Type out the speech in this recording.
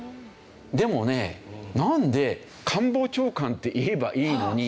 でもねなんで官房長官って言えばいいのに。